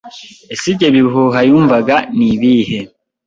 Ese ibyo bihuha yumvaga ni ibihe